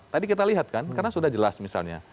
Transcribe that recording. tadi kita lihat kan karena sudah jelas misalnya